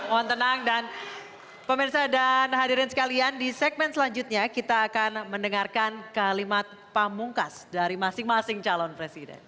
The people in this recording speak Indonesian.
mohon tenang dan pemirsa dan hadirin sekalian di segmen selanjutnya kita akan mendengarkan kalimat pamungkas dari masing masing calon presiden